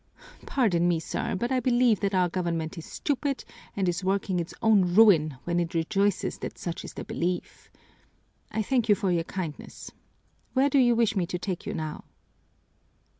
Pardon me, sir, but I believe that our government is stupid and is working its own ruin when it rejoices that such is the belief. I thank you for your kindness, where do you wish me to take you now?"